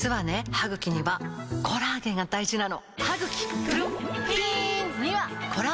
歯ぐきにはコラーゲンが大事なの！